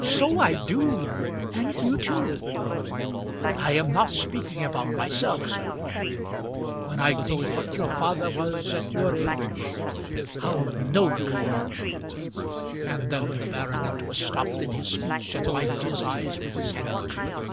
"So I do; and you too." "I am not speaking about myself sir. When I think what your father was at your age; how nobly " And then the baronet was stopped in his speech, and wiped his eyes with his handkerchief.